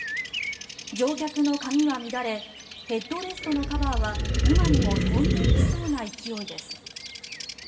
乗客の髪は乱れヘッドレストのカバーは今にも飛んでいきそうな勢いです。